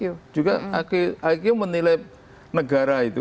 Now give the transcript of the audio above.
iq menilai negara itu